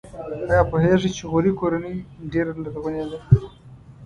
ایا پوهیږئ چې غوري کورنۍ ډېره لرغونې ده؟